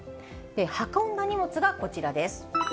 運んだ荷物がこちらです。